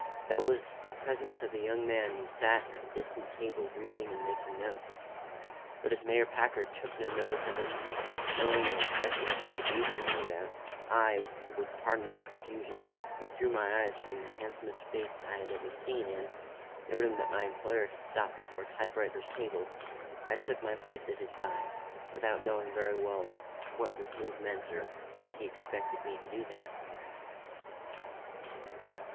That was the presence of a young man who sat at a distant table reading and making notes. But as Mayor Packard took no notice of him, knowing and expecting him to be there, no doubt, I, with a pardonable confusion, withdrew my eyes from the handsomest face I had ever seen, and, noting that my employer had stopped before a type writer's table, I took my place at his side, without knowing very well what this move meant or what he expected me to do there.